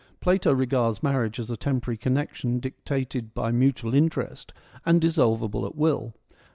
Plato regards marriage as a temporary connection dictated by mutual interest and dissolvable at will.